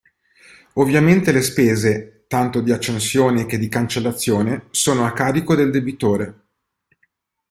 Ovviamente le spese, tanto di accensione che di cancellazione, sono a carico del debitore.